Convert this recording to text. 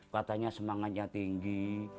katanya semangatnya tinggi